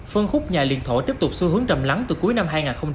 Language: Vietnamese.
phân khúc nhà liên thổ tiếp tục xu hướng trầm lắng từ cuối năm hai nghìn hai mươi hai